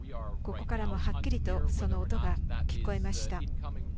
ここからもはっきりとその音が聞こえました。